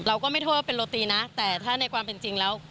เราก็ไม่โทษว่าเป็นโรตีนะแต่ถ้าในความเป็นจริงแล้ว